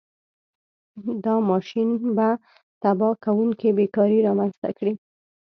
دا ماشین به تباه کوونکې بېکاري رامنځته کړي.